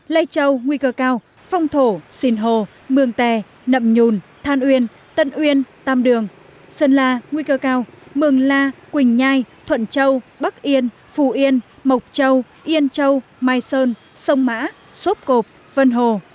lây châu nguy cơ cao phong thổ xìn hồ mường tè nậm nhùn than uyên tân uyên tam đường sơn la nguy cơ cao mường la quỳnh nhai thuận châu bắc yên phù yên mộc châu yên châu mai sơn sông mã sốt cộp vân hồ